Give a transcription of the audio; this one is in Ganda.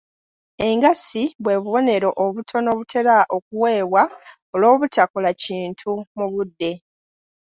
Engassi bwe bubonerezo obutono obutera okuweebwa olw'obutakola kintu mu budde.